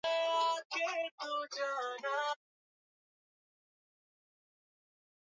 Kutoka mwaka wa elfu moja mia tisa tisini na mbili